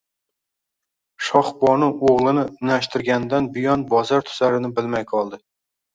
Shohbonu o`g`lini unashtirgandan buyon bosar-tusarini bilmay qoldi